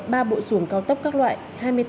ba bộ xuồng cao tốc các loại